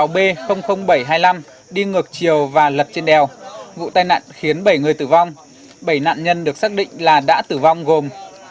b bảy trăm hai mươi năm đi ngược chiều và lật trên đèo vụ tai nạn khiến bảy người tử vong bảy nạn nhân được xác định là đã tử vong gồm